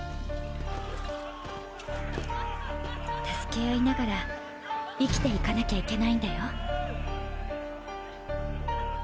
助け合いながら生きていかなきゃいけないんだよ。